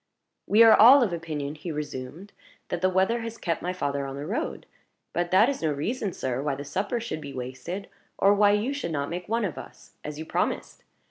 "We are all of opinion," he resumed, "that the weather has kept my father on the road. But that is no reason, sir, why the supper should be wasted, or why you should not make one of us, as you promised.